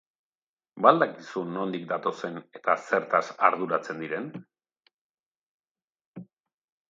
Ba al dakizu nondik datozen eta zertaz arduratzen diren?